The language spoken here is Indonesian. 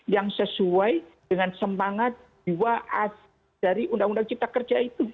yang sesuai dengan semangat dua dari undang undang cipta kerja itu